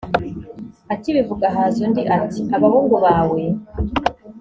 akibivuga haza undi ati abahungu bawe